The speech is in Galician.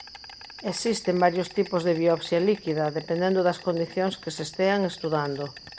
Existen varios tipos de biopsia líquida dependendo das condicións que se estean estudando.